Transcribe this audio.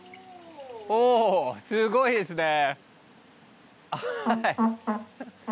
おお。おすごいですね。